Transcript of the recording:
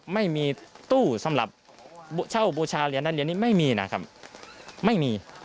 ไม่มีตู้สำหรับเช่าบูชาเหรียญนั้นเดี๋ยวนี้ไม่มีนะครับไม่มี